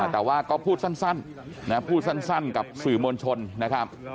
แต่ว่าก็พูดสั้นพูดสั้นกับสื่อมวลชนนะครับ